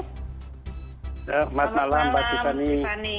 selamat malam pak tiffany